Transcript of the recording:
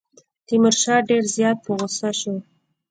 تیمورشاه ډېر زیات په غوسه شو.